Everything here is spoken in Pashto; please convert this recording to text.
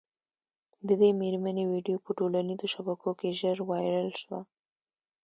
د دې مېرمني ویډیو په ټولنیزو شبکو کي ژر وایرل سوه